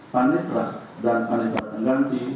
panetra dan panetra tenganti